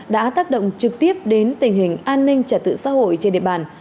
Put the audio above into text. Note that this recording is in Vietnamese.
đã tác động trực tiếp đến tình hình an ninh trả tự xã hội trên địa bàn